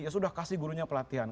ya sudah kasih gurunya pelatihan